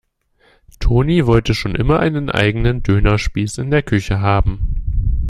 Toni wollte schon immer einen eigenen Dönerspieß in der Küche haben.